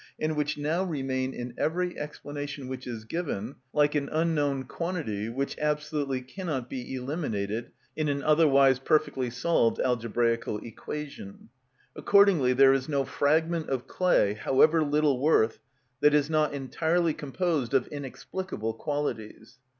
and which now remain in every explanation which is given, like an unknown quantity, which absolutely cannot be eliminated, in an otherwise perfectly solved algebraical equation. Accordingly there is no fragment of clay, however little worth, that is not entirely composed of inexplicable qualities.